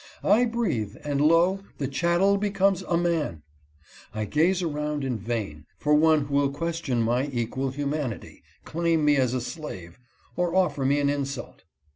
I breathe, and lo ! the chattel becomes a man ! I gaze around in vain for one who will question my equal humanity, claim me as a slave, or offer me an insult.